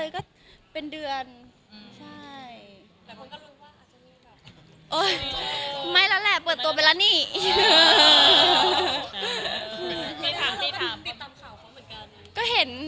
ก็เห็นเลือนขึ้นมาเลือนก็เห็น